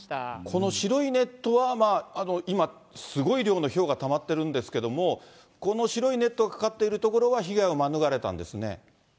この白いネットは、今、すごい量のひょうがたまってるんですけども、この白いネットがかかっている所は、被害を免れたんですね。